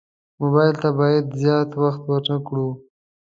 موبایل ته باید زیات وخت ورنه کړو.